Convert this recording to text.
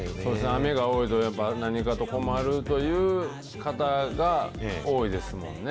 雨が多いと、やっぱ何かと困るという方が多いですもんね。